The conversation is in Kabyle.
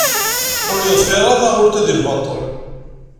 Ur yeḍfir ara taɣult-a deg lbaṭṭel.